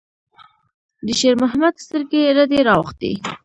د شېرمحمد سترګې رډې راوختې.